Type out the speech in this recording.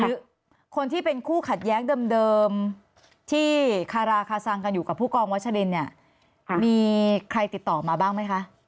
คือคนที่เป็นคู่ขัดแย้งเดิมที่คาราคาซังกันอยู่กับผู้กองวัชลินเนี่ยมีใครติดต่อมาบ้างไหมคะ